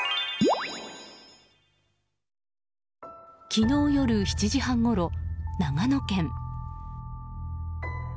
昨日夜７時半ごろ長野県。